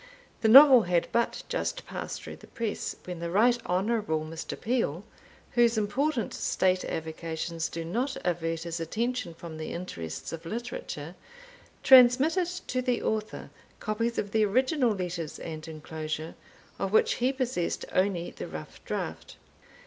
The Novel had but just passed through the press, when the Right Honourable Mr. Peel whose important state avocations do not avert his attention from the interests of literature transmitted to the author copies of the original letters and enclosure, of which he possessed only the rough draught.